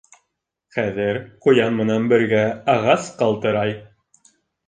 Хәҙер ҡуян менән бергә ағас ҡалтырай.